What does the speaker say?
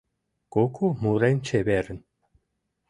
Куку мурен чеверын.